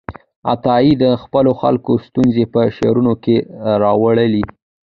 عطايي د خپلو خلکو ستونزې په شعرونو کې راواړولې.